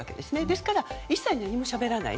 ですから一切何もしゃべらない。